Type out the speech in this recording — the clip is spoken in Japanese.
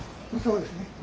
そうですね。